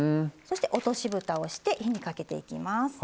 そして落としぶたをして火にかけていきます。